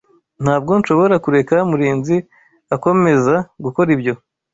Ntabwo nshobora kureka Murinzi akomeza gukora ibyo.